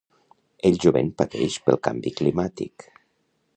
El jovent pateix pel canvi climàtic.